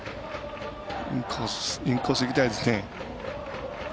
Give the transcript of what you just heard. インコースいきたいですね。